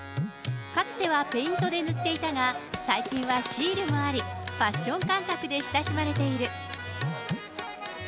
かつてはペイントで塗っていたが、最近はシールもあり、ファッション感覚で親しまれている。